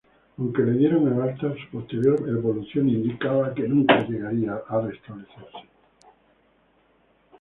Aunque le dieron el alta, su posterior evolución indica que nunca llegó a restablecerse.